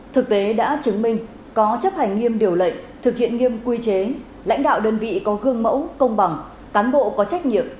thực tế đã chứng minh có chấp hành nghiêm điều lệnh thực hiện nghiêm quy chế lãnh đạo đơn vị có gương mẫu công bằng cán bộ có trách nhiệm